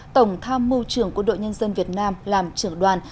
tổng tham mưu trưởng của đội nhân dân việt nam làm trưởng đoàn